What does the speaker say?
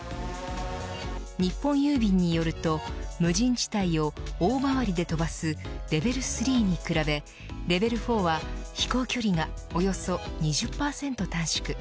日本郵便によると無人地帯を大回りで飛ばすレベル３に比べレベル４は飛行距離がおよそ２０％短縮。